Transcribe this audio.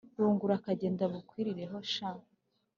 Rungu urakagenda bukwirireho sha